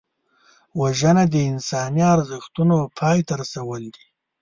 وژنه د انساني ارزښتونو پای ته رسول دي